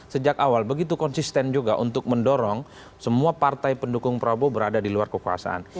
sejak awal begitu konsisten juga untuk mendorong semua partai pendukung prabowo berada di luar kekuasaan